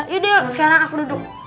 yaudah sekarang aku duduk